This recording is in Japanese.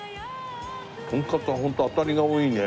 とんかつはホント当たりが多いね。